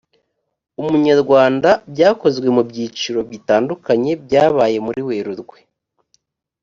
umunyarwanda byakozwe mu byiciro bitandukanye byabaye muri werurwe